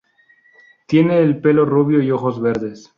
Tiene el pelo rubio y ojos verdes.